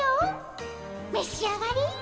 召し上がれ。